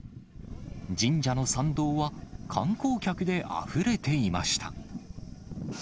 神社の参道は、観光客であふれていました。